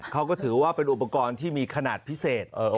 เขาก็ถือว่าเป็นอุปกรณ์ที่มีขนาดพิเศษ